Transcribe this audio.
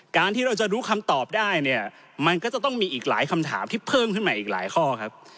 ที่เราจะรู้คำตอบได้เนี่ยมันก็จะต้องมีอีกหลายคำถามที่เพิ่มขึ้นมาอีกหลายข้อครับ